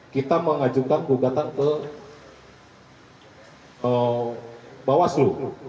kita mengajukan gugatan ke bawaslu